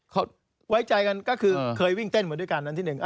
เขาไว้ใจกันก็คือเคยวิ่งเต้นมาด้วยกันอันที่หนึ่ง